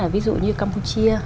ví dụ như campuchia